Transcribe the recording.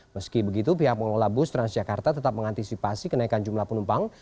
meski begitu pihak pengelola bus transjakarta tetap mengantisipasi kenaikan jumlah penumpang